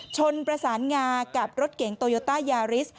ชนประสานงากับรถเก๋งโตโยต้ายาริส